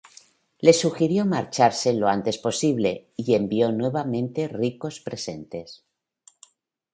Les sugirió marcharse lo antes posible y envió nuevamente ricos presentes.